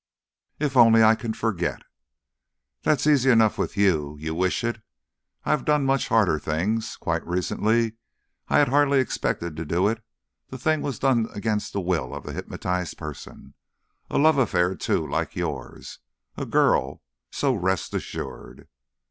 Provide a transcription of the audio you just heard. "If only I can forget " "That's easy enough with you. You wish it. I've done much harder things. Quite recently. I hardly expected to do it: the thing was done against the will of the hypnotised person. A love affair too like yours. A girl. So rest assured."